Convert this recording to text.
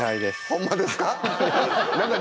ほんまですか？